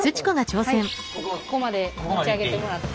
ここまで持ち上げてもらって。